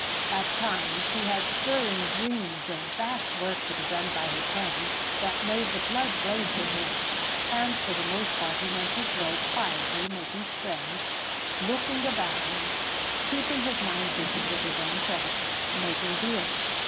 At times he had stirring dreams of vast work to be done by his hand that made the blood race in him, but for the most part he went his way quietly, making friends, looking about him, keeping his mind busy with his own thoughts, making deals.